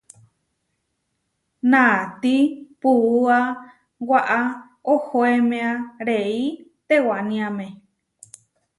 Naatí puúa waʼá ohoémea réi tewániame.